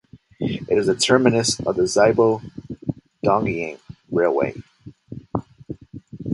It is the terminus of the Zibo–Dongying railway.